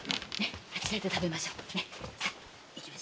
あちらで食べましょ。